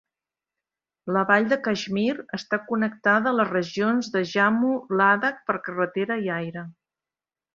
La vall de Kashmir està connectada a les regions de Jammu i Ladakh per carretera i aire.